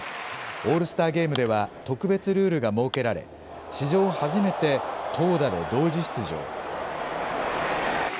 オールスターゲームでは特別ルールが設けられ、史上初めて、投打で同時出場。